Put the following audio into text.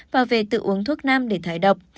và về tự uống thuốc nam để thái độc